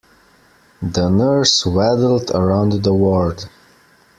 The nurse waddled around the ward.